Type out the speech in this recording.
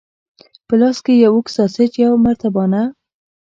په لاس کې یې یو اوږد ساسیج، یوه مرتبانه.